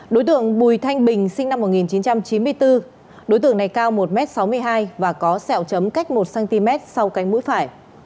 đối tượng bùi thanh bình sinh năm một nghìn chín trăm chín mươi bốn đối tượng này cao một m sáu mươi hai và có sẹo chấm cách một cm sau cánh mũi phải